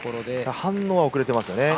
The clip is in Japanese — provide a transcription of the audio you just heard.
反応は遅れてますね。